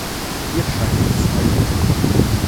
Ihr scheinen Zweifel zu kommen.